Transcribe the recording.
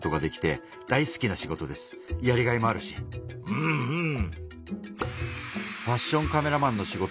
うんうん。